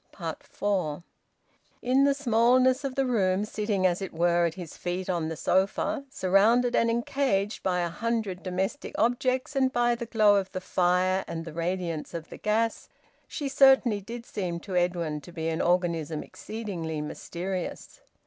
FOUR. In the smallness of the room, sitting as it were at his feet on the sofa, surrounded and encaged by a hundred domestic objects and by the glow of the fire and the radiance of the gas, she certainly did seem to Edwin to be an organism exceedingly mysterious.